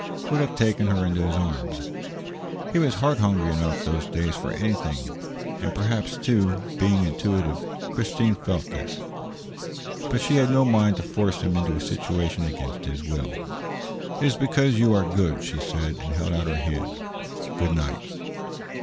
would have taken her in his arms. He was heart hungry enough, those days, for anything. And perhaps, too, being intuitive, Christine felt this. But she had no mind to force him into a situation against his will. "It is because you are good," she said, and held out her hand. "Good night."